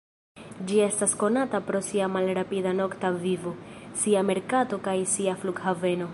Ĝi estas konata pro sia malrapida nokta vivo, sia merkato kaj sia flughaveno.